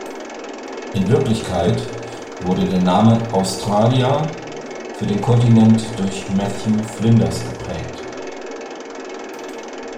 In Wirklichkeit wurde der Name "Australia" für den Kontinent durch Matthew Flinders geprägt.